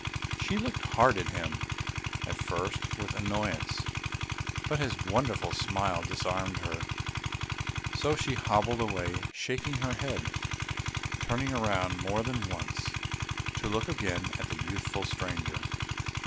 She looked hard at him, at first with annoyance; but his wonderful smile disarmed her, so she hobbled away shaking her head, turning round more than once to look again at the youthful stranger.